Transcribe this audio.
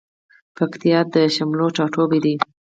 پکتيا د شملو ټاټوبی ده